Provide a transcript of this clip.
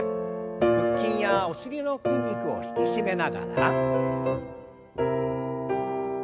腹筋やお尻の筋肉を引き締めながら。